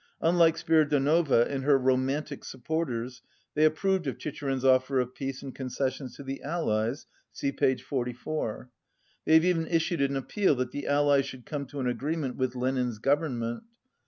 Unlike Spiridonova and her romantic supporters they approved of Chicherin's offer of peace and concessions to the Allies (see page 44). They have even issued an appeal that the Allies should come to an agreement with "Lenin's Government."